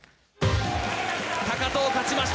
高藤、勝ちました。